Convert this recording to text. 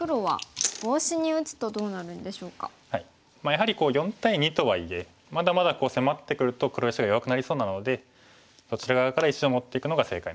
やはり４対２とはいえまだまだ迫ってくると黒石が弱くなりそうなのでこちら側から石を持っていくのが正解になります。